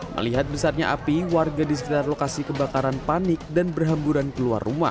melihat besarnya api warga di sekitar lokasi kebakaran panik dan berhamburan keluar rumah